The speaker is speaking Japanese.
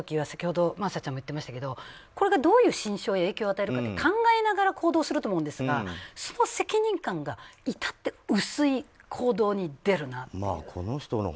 先ほど真麻ちゃんも言ってましたけどどういう心証や影響を与えるか考えながら行動すると思うんですがその責任感が至って薄い行動に出るなと。